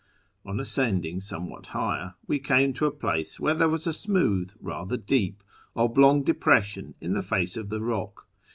On ascending somewhat higher, we came to a place where there was a smooth, rather deep, oblong depression in the face of the rock.